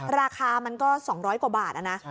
ราคามันก็สองร้อยกว่าบาทอะนะ